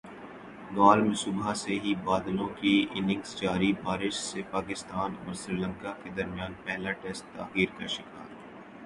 گال میں صبح سے ہی بادلوں کی اننگز جاری بارش سے پاکستان اور سری لنکا کے درمیان پہلا ٹیسٹ تاخیر کا شکار